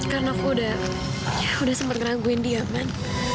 karena aku udah sempet ngeraguin dia man